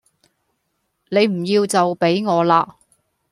你唔要就畀我啦